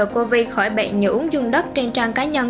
covid khỏi bệnh nhờ uống dung đất trên trang cá nhân